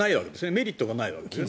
メリットがないわけですね。